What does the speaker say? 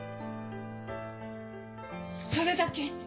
それだけ？